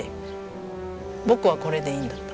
僕はこれでいいんだと。